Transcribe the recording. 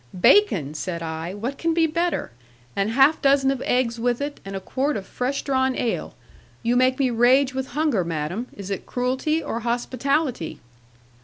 '"Bacon!" said I; "what can be better? And half dozen of eggs with it, and a quart of fresh drawn ale. You make me rage with hunger, madam. Is it cruelty, or hospitality?"